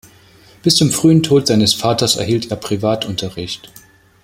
Bis zum frühen Tod seines Vaters erhielt er Privatunterricht.